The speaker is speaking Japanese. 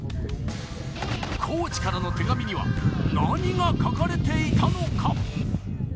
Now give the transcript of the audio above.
コーチからの手紙には、何が書かれていたのか？